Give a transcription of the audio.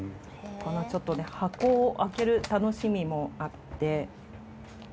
ちょっとね箱を開ける楽しみもあって。